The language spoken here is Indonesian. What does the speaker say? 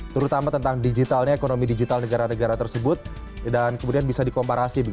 terutama tentang digitalnya ekonomi digital negara negara tersebut dan kemudian bisa dikomparasi